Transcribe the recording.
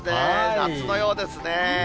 夏のようですね。